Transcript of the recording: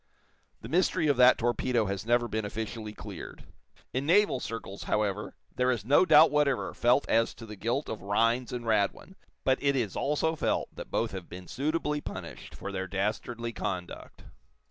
The mystery of that torpedo has never been officially cleared. In naval circles, however, there is no doubt whatever felt as to the guilt of Rhinds and Radwin; but it is also felt that both have been suitably punished for their dastardly conduct.